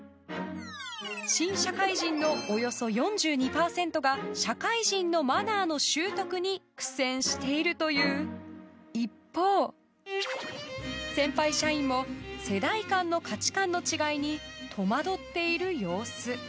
新社会人のおよそ４２％が社会人のマナーの習得に苦戦しているという一方先輩社員も世代間の価値観の違いに戸惑っている様子。